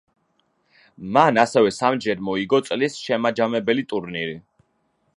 მან ასევე სამჯერ მოიგო წლის შემაჯამებელი ტურნირი.